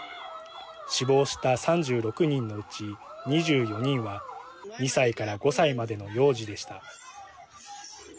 死亡した３６人のうち２４人は２歳から５歳までの幼児でした。